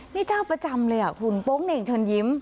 นี่เจ้าประจำเลยคุณโป๊งเหน่งเชิญยิ้ม